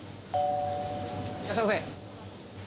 いらっしゃいませ。